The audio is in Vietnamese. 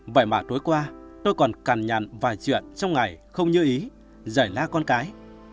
vậy mà tối qua tôi còn cản nhận vài chuyện trong ngày không như ý giải la con cái